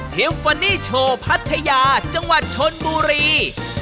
ฟานี่โชว์พัทยาจังหวัดชนบุรี